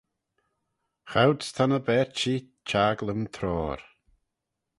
Choud's ta ny berçhee çhaglym troar.